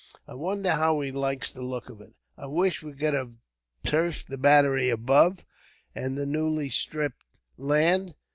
I wonder how he likes the look of it. I wish we could have turfed the battery above, and the newly stripped land.